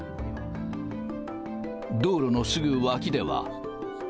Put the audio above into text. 道路のすぐ脇では。